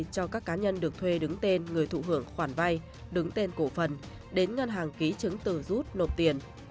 cho các cá nhân được thuê đứng tên người thụ hưởng khoản vay đứng tên cổ phần đến ngân hàng ký chứng từ rút nộp tiền